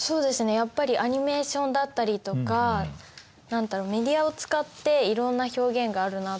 やっぱりアニメーションだったりとか何だろメディアを使っていろんな表現があるなと思って。